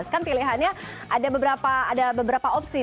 kan pilihannya ada beberapa opsi